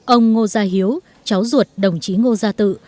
ông ngô gia hiếu cháu ruột đồng chí ngô gia tự